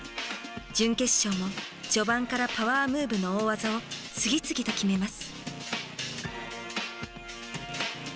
準決勝も序盤からパワームーブの大技を次々と決めます。